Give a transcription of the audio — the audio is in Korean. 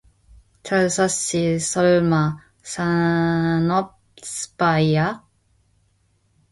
철수씨 설마 산업스파이야?